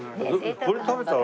これ食べたら？